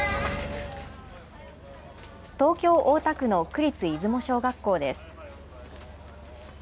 東京大田区の区立出雲小学校です。